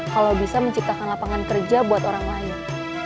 kalau bisa menciptakan lapangan kerja buat orang lain